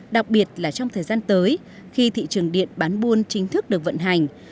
đặc biệt là trong thời gian tới khi thị trường điện bán buôn chính thức được vận hành